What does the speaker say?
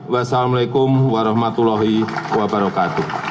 wassalamualaikum warahmatullahi wabarakatuh